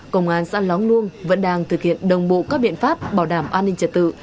công an xã lóng luông vẫn đang thực hiện đồng bộ các biện pháp bảo đảm an ninh trật tự